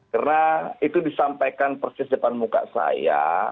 karena itu disampaikan persis depan muka saya